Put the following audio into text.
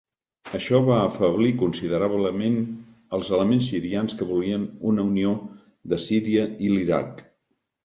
Això va afeblir considerablement als elements sirians que volien una unió de Síria i l'Iraq.